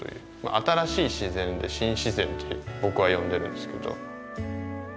新しい自然で「新自然」って僕は呼んでるんですけど。